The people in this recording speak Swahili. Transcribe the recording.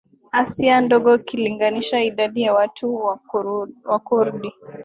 Asia Ndogo ikilinganisha idadi ya watu Wakurdi